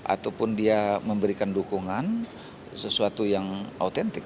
ataupun dia memberikan dukungan sesuatu yang autentik